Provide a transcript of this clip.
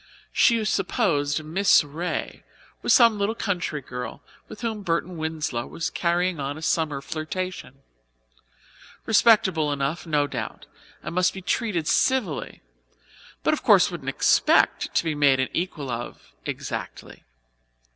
She supposed Miss Ray was some little country girl with whom Burton Winslow was carrying on a summer flirtation; respectable enough, no doubt, and must be treated civilly, but of course wouldn't expect to be made an equal of exactly.